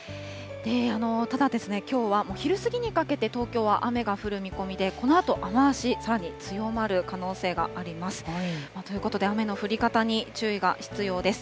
ただ、きょうは昼過ぎにかけて、東京は雨が降る見込みで、このあと雨足、さらに強まる可能性があります。ということで雨の降り方に注意が必要です。